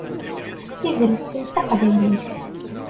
Idles-iw d taqbaylit.